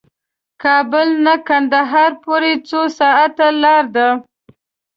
کابل نه قندهار پورې څو ساعته لار ده؟